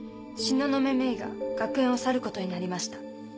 東雲メイが学園を去ることになりました。